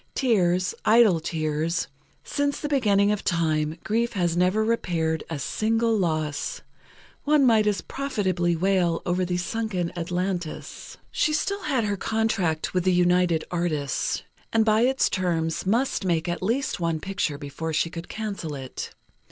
Tears, idle tears. Since the beginning of time, grief has never repaired a single loss. One might as profitably wail over the sunken Atlantis. She still had her contract with the United Artists, and by its terms must make at least one picture before she could cancel it.